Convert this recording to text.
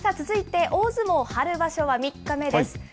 続いて、大相撲春場所は３日目です。